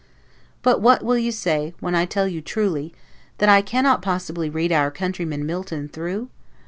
But what will you say, when I tell you truly, that I cannot possibly read our countryman Milton through?